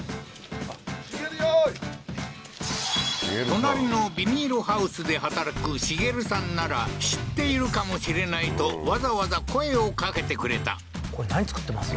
隣のビニールハウスで働くシゲルさんなら知っているかもしれないとわざわざ声をかけてくれたこれ何作ってます？